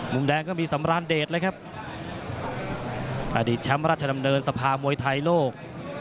มุมแดงก็มีสำรานเดชเลยครับอดีตแชมป์ราชดำเนินสภามวยไทยโลก